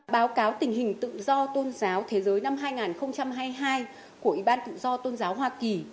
báo cáo tình hình tự do tôn giáo thế giới năm hai nghìn hai mươi hai của ủy ban tự do tôn giáo hoa kỳ